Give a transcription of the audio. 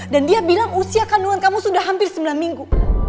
dan dia bilang usia kandungan kamu sudah hampir sembilan minggu